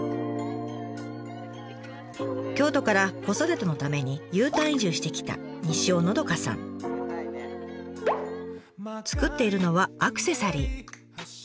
京都から子育てのためにＵターン移住してきた作っているのはアクセサリー。